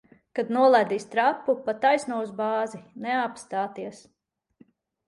Kad nolaidīs trapu, pa taisno uz bāzi. Neapstāties!